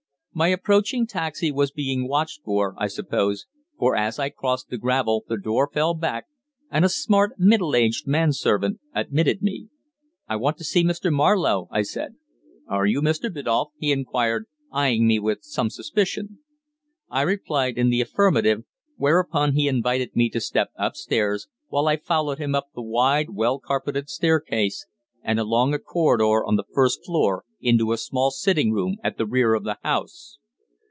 My approaching taxi was being watched for, I suppose, for as I crossed the gravel the door fell back, and a smart, middle aged man servant admitted me. "I want to see Mr. Marlowe," I said. "Are you Mr. Biddulph?" he inquired, eyeing me with some suspicion. I replied in the affirmative, whereupon he invited me to step upstairs, while I followed him up the wide, well carpeted staircase and along a corridor on the first floor into a small sitting room at the rear of the house.